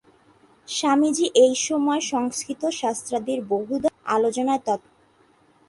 স্বামীজী এই সময় সংস্কৃত শাস্ত্রাদির বহুধা আলোচনায় তৎপর।